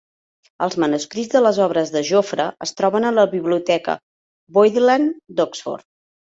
Els manuscrits de les obres de Jofre es troben a la biblioteca Bodleian d'Oxford.